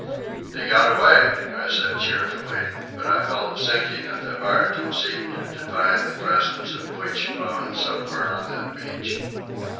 "They got away," I said cheerfully; but I felt a sinking at the heart and seemed to divine the presence of bleached bones somewhere on that beach.